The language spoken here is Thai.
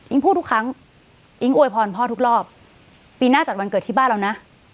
พูดทุกครั้งอิ๊งอวยพรพ่อทุกรอบปีหน้าจัดวันเกิดที่บ้านเรานะ